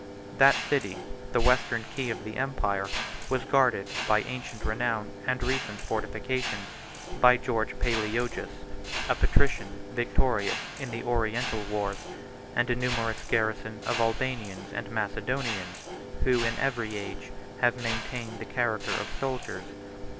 That city, the western key of the empire, was guarded by ancient renown, and recent fortifications, by George Palaeologus, a patrician, victorious in the Oriental wars, and a numerous garrison of Albanians and Macedonians, who, in every age, have maintained the character of soldiers.